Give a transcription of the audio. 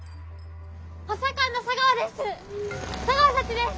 補佐官の茶川です！